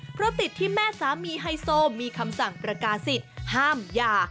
เพราะติดที่แม่สามีไฮโซมีคำสั่งประกาศิษย์ห้ามหย่า